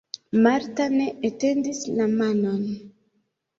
Marta ne etendis la manon.